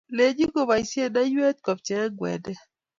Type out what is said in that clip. Lechi koboisie aiywet ko pchee kwendet